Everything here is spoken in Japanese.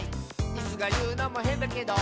「イスがいうのもへんだけど」